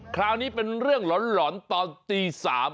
คราวนี้เป็นเรื่องหลอนตอนตี๓